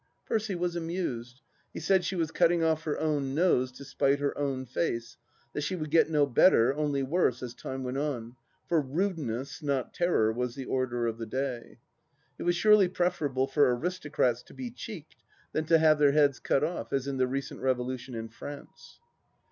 Percy was amused. He said she was cutting off her own nose to spite her own face, that she would get no better, only worse, as time went on, for Rudeness, not Terror, was the order of the day. It was surely preferable for aristocrats to be " cheeked " than to have their heads cut off, as in the recent Revolution in France.